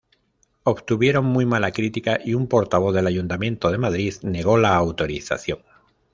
Obtuvieron muy mala crítica y un portavoz del Ayuntamiento de Madrid negó la autorización.